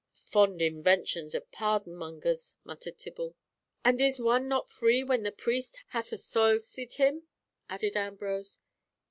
"Fond inventions of pardon mongers," muttered Tibble. "And is one not free when the priest hath assoilsied him?" added Ambrose.